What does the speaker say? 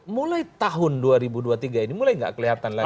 mulai tahun dua ribu dua puluh tiga ini mulai nggak kelihatan lagi